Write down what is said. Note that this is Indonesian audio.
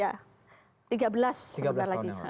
tiga belas tahun yang lalu